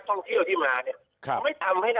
ก็ต้องใช้เวลาอีกนาน๓เดือนมันไม่พอกับการ